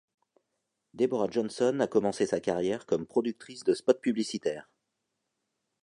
Deborah Johnson a commencé sa carrière comme productrice de spots publicitaires.